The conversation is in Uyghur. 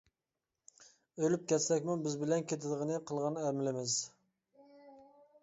ئۆلۈپ كەتسەكمۇ بىز بىلەن كېتىدىغىنى قىلغان ئەمىلىمىز!